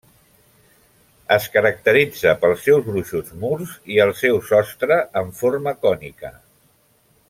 Es caracteritza pels seus gruixuts murs de i el seu sostre en forma de cònica.